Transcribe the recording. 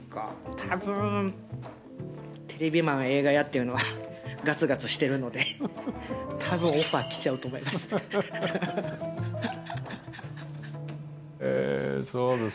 たぶん、テレビマン、映画屋っていうのは、がつがつしてるので、たぶんオファー来ちゃうと思います。